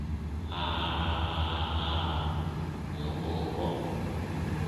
啊啊啊啊啊啊！老母好波！